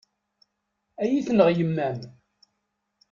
Ad yi-tenɣ yemma-m.